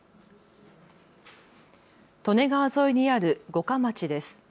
利根川沿いにある五霞町です。